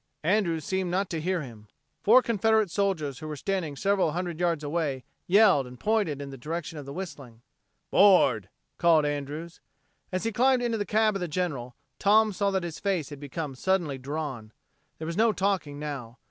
Andrews seemed not to hear him. Four Confederate soldiers who were standing several hundred yards away yelled and pointed in the direction of the whistling. "'Board," called Andrews. As he climbed into the cab of the General, Tom saw that his face had become suddenly drawn. There was no talking now.